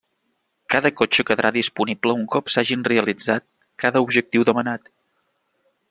Cada cotxe quedarà disponible un cop s'hagin realitzat cada objectiu demanant.